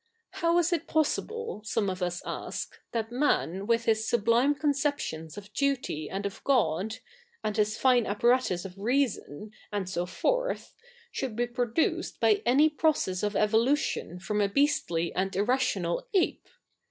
How is it possible^ some of us ask, that man with his sublime co7iceptio?is of duty and of God, and his fine appa? atus of reason, and so forth, should be produced by any process of evolution from, a beastly afid irrational ape